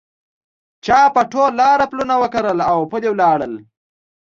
چا په ټول لاره پلونه وکرل اوپلي ولاړه